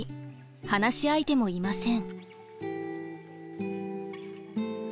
話し相手もいません。